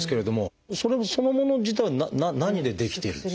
それそのもの自体は何で出来ているんです？